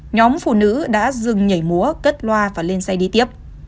nhóm phụ nữ đã dừng nhảy múa cất loa và lên xe đi tiếp